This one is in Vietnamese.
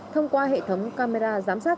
thông qua hệ thống camera giám sát